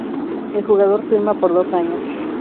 El jugador firma por dos años.